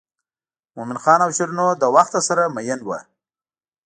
مومن خان او شیرینو له وخته سره مئین وو.